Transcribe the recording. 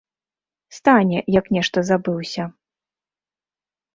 Стане, як нешта забыўся.